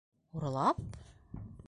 Урлап?!